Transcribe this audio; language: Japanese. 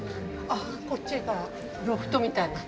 あっこっちがロフトみたいな？